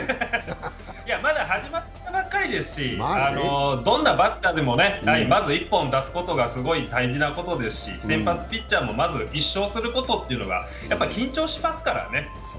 まだ始まったばっかりですしどんなバッターでもまず１本出すことがすごい大事なことですし、先発ピッチャーもまず１勝することというのがやっぱ緊張しますからね。